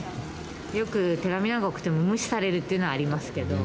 よく手紙など送っても無視されるっていうのはありますけど。